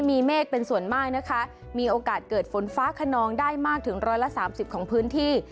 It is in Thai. มีเมฆเป็นส่วนมากนะคะมีโอกาสเกิดฝนฟ้าขนองได้มากถึงร้อยละสามสิบของพื้นที่